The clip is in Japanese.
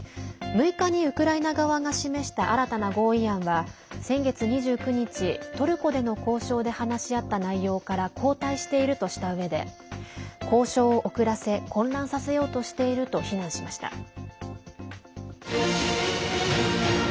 ６日にウクライナ側が示した新たな合意案は先月２９日、トルコでの交渉で話し合った内容から後退しているとしたうえで交渉を遅らせ混乱させようとしていると非難しました。